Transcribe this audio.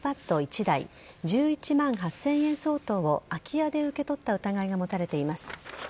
１台１１万８０００円相当を空き家で受け取った疑いが持たれています。